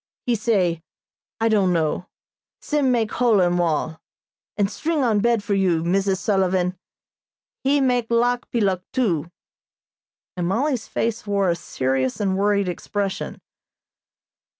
He say, 'I don't know.' Sim make hole in wall, and string on bed for you, Mrs. Sullivan. He make lock peeluk, too," and Mollie's face wore a serious and worried expression.